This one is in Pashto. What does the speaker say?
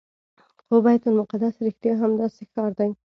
خو بیت المقدس رښتیا هم داسې ښار دی.